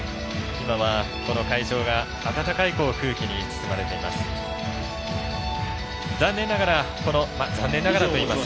今はこの会場が暖かい空気に包まれています。